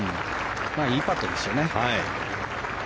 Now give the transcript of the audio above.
いいパットですよね。